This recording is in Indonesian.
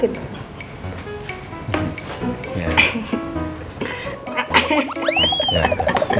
ya yaudah yaudah yaudah